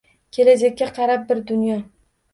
Kelajakka qarab bir dunyo